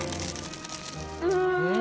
うん！